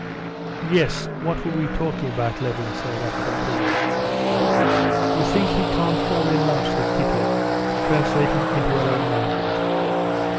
Yes, what were we talking about?" Levin said, after a pause. "You think he can't fall in love," said Kitty, translating into her own language.